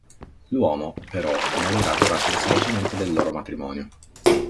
L'uomo, però, morirà durante lo svolgimento del loro matrimonio.